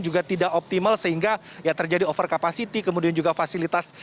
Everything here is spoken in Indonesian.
juga tidak optimal sehingga ya terjadi over capacity kemudian juga fasilitas